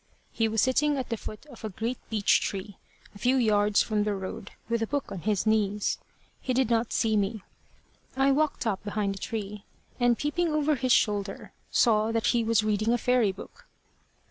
He was sitting at the foot of a great beech tree, a few yards from the road, with a book on his knees. He did not see me. I walked up behind the tree, and peeping over his shoulder, saw that he was reading a fairy book.